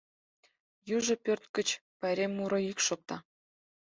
Южо пӧрт гыч пайрем муро йӱк шокта.